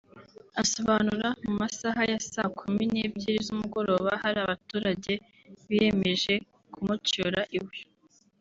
Asobanura mu masaha ya saa kumi n’ebyiri z’umugoroba hari abaturage biyemeje kumucyura iwe